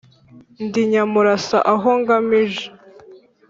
ndi nyamurasa aho ngamije.